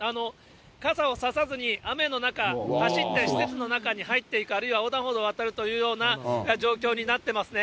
傘を差さずに、雨の中、走って施設の中に入っていく、あるいは横断歩道を渡るというような状況になってますね。